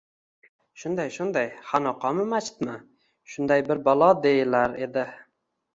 — Shunday-shunday. Xonaqomi, machitmi... shunday bir balo deyilar edi.